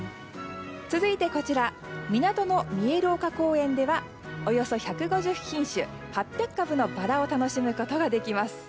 続いて、こちら港の見える丘公園ではおよそ１５０品種８００株のバラを楽しむことができます。